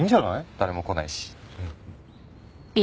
誰も来ないし。